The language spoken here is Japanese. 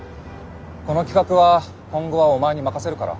この企画は今後はお前に任せるから。